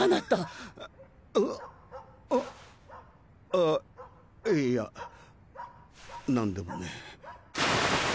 あいや何でもねえ。